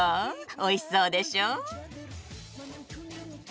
おいしそうでしょ。